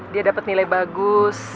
dia dapat nilai bagus